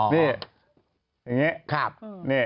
นี่อย่างนี้